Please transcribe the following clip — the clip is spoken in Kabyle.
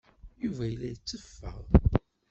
Yuba yella yetteffeɣ.